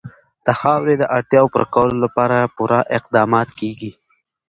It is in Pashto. د خاورې د اړتیاوو پوره کولو لپاره پوره اقدامات کېږي.